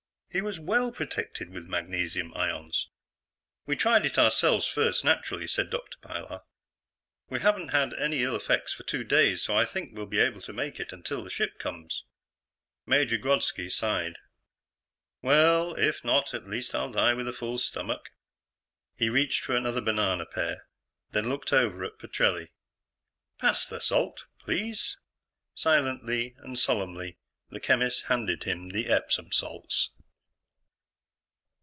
He was well protected with magnesium ions." "We tried it ourselves first, naturally," said Dr. Pilar. "We haven't had any ill effects for two days, so I think we'll be able to make it until the ship comes." Major Grodski sighed. "Well, if not, I'll at least die with a full stomach." He reached for another banana pear, then looked over at Petrelli. "Pass the salt, please." Silently and solemnly, the chemist handed him the Epsom salts.